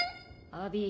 アビー